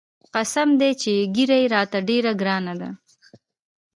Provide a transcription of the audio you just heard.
قسم دى چې ږيره راته ډېره ګرانه ده.